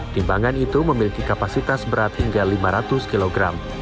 timbangan itu memiliki kapasitas berat hingga lima ratus kg